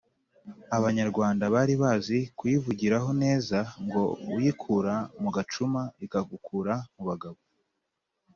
abanyarwanda bari bazi kuyivugiraho neza ngo uyikura mu gacuma ikagukura mu bagabo